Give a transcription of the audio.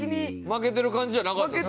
負けてる感じじゃなかった。